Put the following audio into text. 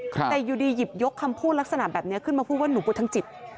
แต่อยู่ดีหยิบยกคำพูดลักษณะแบบนี้ขึ้นมาพูดว่าหนูปวดทางจิต